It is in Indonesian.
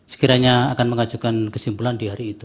sekiranya akan mengajukan kesimpulan di hari itu